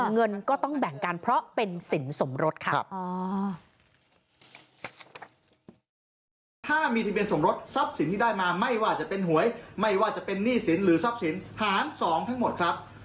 เงินก็ต้องแบ่งกันเพราะเป็นสินสมรสค่ะ